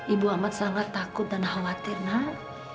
ibu amat sangat takut dan khawatir nak